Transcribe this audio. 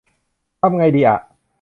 ทำไงดีอ่ะ ?